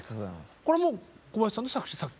これも小林さんの作詞作曲？